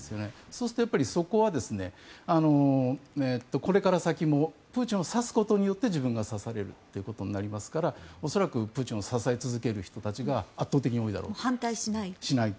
そうするとそこは、これから先もプーチンを刺すことによって自分が刺されるということになりますから恐らくプーチンを支え続ける人たちが反対しない？